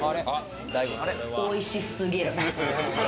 おいし過ぎる！